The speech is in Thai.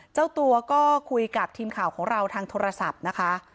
เจ้าตัวก็คุยกับทีมข่าวของเราทางโทรศัพท์นะคะ